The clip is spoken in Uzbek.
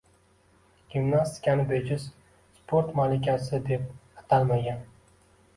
Gimnastikani bejiz «Sport malikasi» deb atalmagan